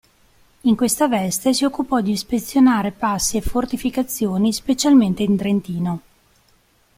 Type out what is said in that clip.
In questa veste si occupò di ispezionare passi e fortificazioni specialmente in Trentino.